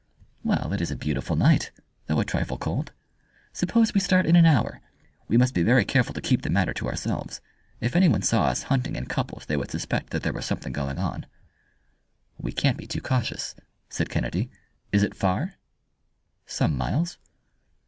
"Well, it is a beautiful night though a trifle cold. Suppose we start in an hour. We must be very careful to keep the matter to ourselves. If anyone saw us hunting in couples they would suspect that there was something going on." "We can't be too cautious," said Kennedy. "Is it far?" "Some miles."